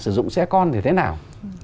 sử dụng xe con thì thế nào